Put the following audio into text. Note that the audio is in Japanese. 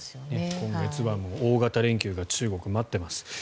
今後、中国は大型連休が待っています。